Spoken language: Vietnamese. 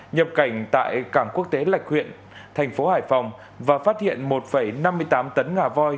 nhập cảnh tại cảng quốc tế lạch huyện thành phố hải phòng và phát hiện một năm mươi tám tấn ngà voi